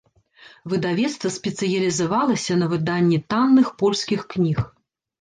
Выдавецтва спецыялізавалася на выданні танных польскіх кніг.